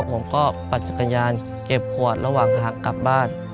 ผมก็ปัจจักรยานเก็บขวดระหว่างกลับบ้าน